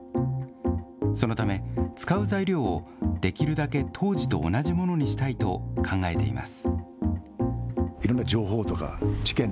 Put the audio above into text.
そのため、使う材料をできるだけ当時と同じものにしたいと考えています。